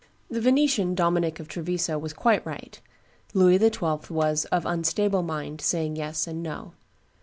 The Venetian, Dominic of Treviso, was quite right; Louis XII. was "of unstable mind, saying yes and no."